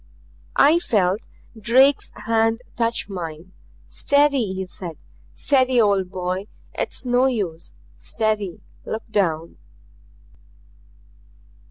I felt Drake's hand touch mine. "Steady," he said. "Steady, old boy. It's no use. Steady. Look down."